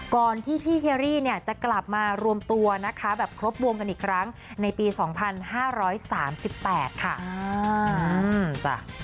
ก่อนที่พี่เครรี่เนี่ยจะกลับมารวมตัวนะคะแบบครบวงกันอีกครั้งในปี๒๕๓๘ค่ะ